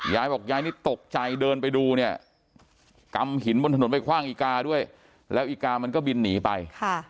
ยายบอกยายนี่ตกใจเดินไปดูเนี่ยกำหินบนถนนไปคว่างอีกาด้วยแล้วอีกามันก็บินหนีไป